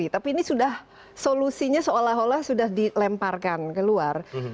tapi ini sudah solusinya seolah olah sudah dilemparkan keluar